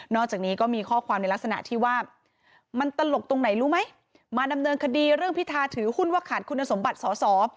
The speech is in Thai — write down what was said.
อกจากนี้ก็มีข้อความในลักษณะที่ว่ามันตลกตรงไหนรู้ไหมมาดำเนินคดีเรื่องพิธาถือหุ้นว่าขาดคุณสมบัติสอสอ